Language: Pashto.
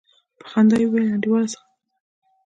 په خندا يې وويل انډيواله څه خبره ده.